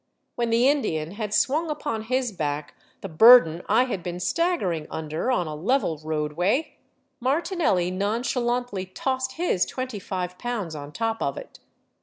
When the Indian had swung upon 464 A FORGOTTEN CITY OF THE ANDES his back the burden I had been staggering under on a level roadway, Martinelli nonchalantly tossed his twenty five pounds on top of it.